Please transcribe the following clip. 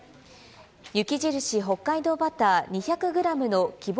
雪印北海道バター２００グラムの希望